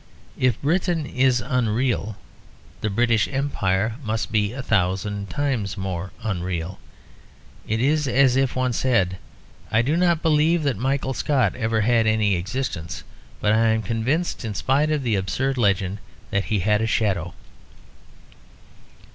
If Britain is unreal, the British Empire must be a thousand times more unreal. It is as if one said, "I do not believe that Michael Scott ever had any existence; but I am convinced, in spite of the absurd legend, that he had a shadow."